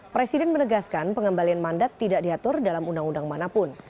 presiden menegaskan pengembalian mandat tidak diatur dalam undang undang manapun